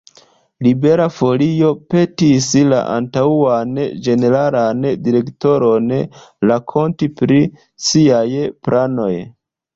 Libera Folio petis la antaŭan ĝeneralan direktoron rakonti pri siaj planoj.